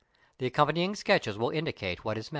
The accompanying sketches will indicate what is meant.